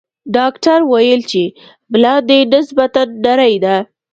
ډاکټر ویل چې ملا دې نسبتاً نرۍ ده.